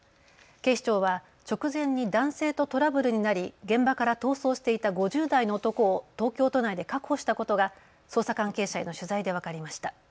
警視庁は直前に男性とトラブルになり現場から逃走していた５０代の男を東京都内で確保したことが捜査関係者への取材で分かりました。